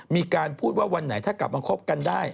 มีการพูดว่าวันไหนถ้ากลับมาคบกันได้